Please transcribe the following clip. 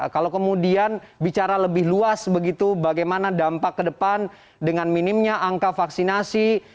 kalau kemudian bicara lebih luas begitu bagaimana dampak ke depan dengan minimnya angka vaksinasi